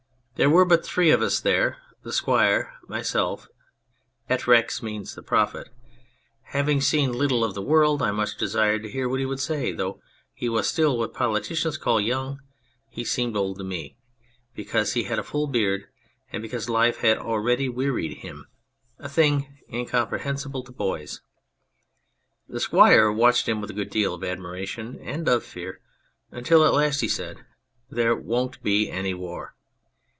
There were but three of us there, the Squire, myself, et Rex Metis the Prophet. Having seen little of the world I much desired to hear what he would say ; although he was still what politicians call young he seemed old to me, because he had a full beard, and because life had already wearied him, a thing incom prehensible to boys. The Squire watched him with a good deal of admiration and of fear, until at last he said, "There won't be any war."